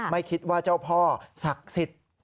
ไม่คิดว่าเจ้าพ่อศักดิ์สิทธิ์